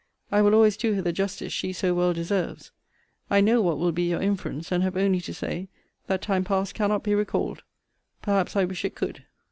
I will always do her the justice she so well deserves. I know what will be your inference; and have only to say, that time past cannot be recalled; perhaps I wish it could.